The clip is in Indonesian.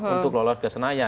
untuk lolos ke senayan